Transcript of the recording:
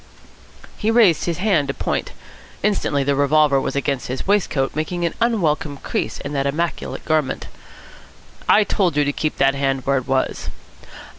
He raised his hand to point. Instantly the revolver was against his waistcoat, making an unwelcome crease in that immaculate garment. "I told you to keep that hand where it was."